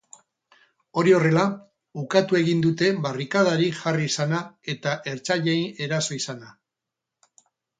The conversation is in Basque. Hori horrela, ukatu egin dute barrikadarik jarri izana eta ertzainei eraso izana.